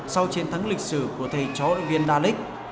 sau chiến thắng lịch sử của thầy chó ợi viên dalit